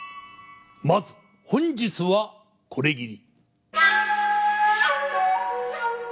まず本日はこれぎり。